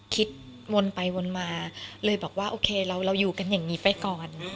วนไปวนมาเลยบอกว่าโอเคเราอยู่กันอย่างนี้ไปก่อน